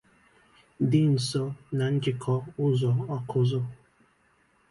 dị nso na njikọ ụzọ Awkụzụ